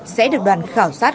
sẽ được đoàn khảo sát